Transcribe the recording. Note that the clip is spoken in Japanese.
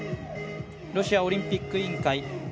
ロシアオリンピック委員会